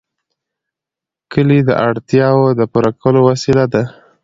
کلي د اړتیاوو د پوره کولو وسیله ده.